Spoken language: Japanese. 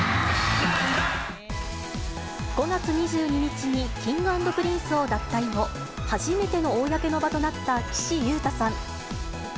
５月２２日にＫｉｎｇ＆Ｐｒｉｎｃｅを脱退後、初めての公の場となった、岸優太さん。